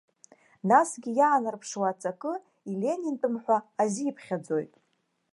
Насгьы иаанарԥшуа аҵакы иленинтәым ҳәа азиԥхьаӡоит.